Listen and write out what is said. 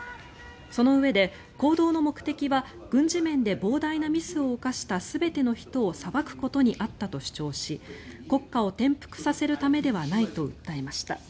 そのうえで、行動の目的は軍事面で膨大なミスを犯した全ての人を裁くことにあったと主張し国家を転覆させるためではないと訴えました。